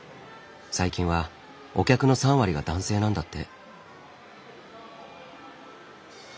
最近はお客の３割が男性なんだって。